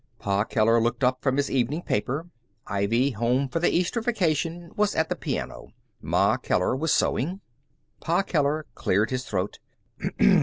Pa Keller looked up from his evening paper. Ivy, home for the Easter vacation, was at the piano. Ma Keller was sewing. Pa Keller cleared his throat.